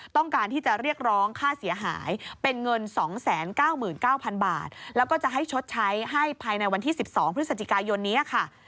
ต้องการที่จะเรียกร้องค่าเสียหายเป็นเงิน๒๙๙๐๐บาทแล้วก็จะให้ชดใช้ให้ภายในวันที่๑๒พฤศจิกายนนี้ค่ะ